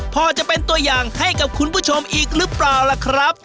พอจะเป็นตัวอย่างให้กับคุณผู้ชมอีกหรือเปล่าล่ะครับ